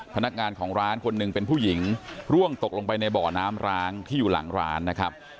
พนักงานของร้านคนหนึ่งเป็นผู้หญิงร่วงตกลงไปในบ่อน้ำร้างที่อยู่หลังร้านนะครับ